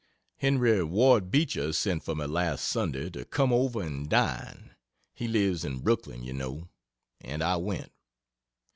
Henry Ward Beecher sent for me last Sunday to come over and dine (he lives in Brooklyn, you know,) and I went.